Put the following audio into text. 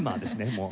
もう。